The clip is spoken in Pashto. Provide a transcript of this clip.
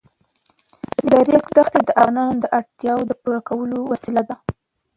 د ریګ دښتې د افغانانو د اړتیاوو د پوره کولو وسیله ده.